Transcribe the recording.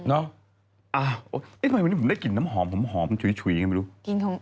เอ๊ะทำไมวันนี้ผมได้กลิ่นน้ำหอมผมหอมชุยไงบ้าง